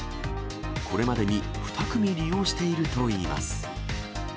これまでに２組利用しているといいます。